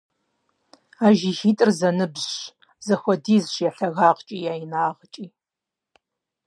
А жыгитӏыр зэныбжьщ, зэхуэдизщ я лъагагъкӀи я инагъкӀи.